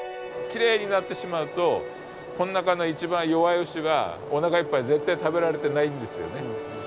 きれいになってしまうとこの中の一番弱い牛はおなかいっぱい絶対食べられてないんですよね。